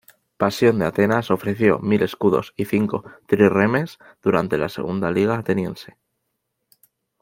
Pasión de Atenas ofreció mil escudos y cinco trirremes durante la Segunda Liga ateniense.